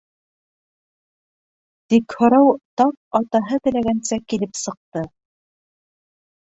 Тик һорау тап атаһы теләгәнсә килеп сыҡты.